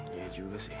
iya juga sih